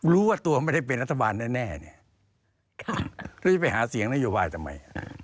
รู้กว่าตัวไม่ได้เป็นรัฐบาลแน่หรือจะไปหาเสียงโยบายทำไม